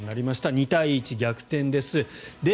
２対１、逆転です。